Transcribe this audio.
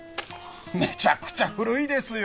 めちゃくちゃ古いですよ！